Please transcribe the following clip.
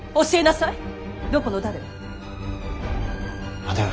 教えなさい！